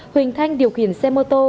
huỳnh thanh điều khiển xe mô tô